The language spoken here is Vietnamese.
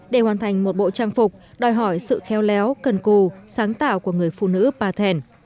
để hoàn thành một bộ trang phục đòi hỏi sự khéo léo cần cù sáng tạo của người phụ nữ pa thèn